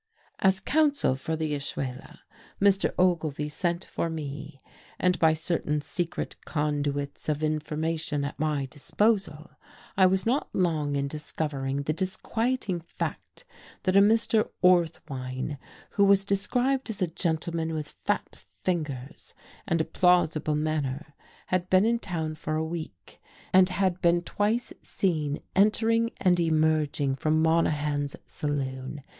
As counsel for the Ashuela, Mr. Ogilvy sent for me, and by certain secret conduits of information at my disposal I was not long in discovering the disquieting fact that a Mr. Orthwein, who was described as a gentleman with fat fingers and a plausible manner, had been in town for a week and had been twice seen entering and emerging from Monahan's saloon.